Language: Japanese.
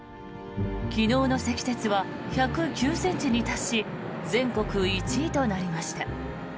昨日の積雪は１０９ｃｍに達し全国１位となりました。